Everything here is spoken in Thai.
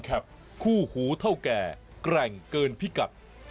ชูวิตตีแสกหน้า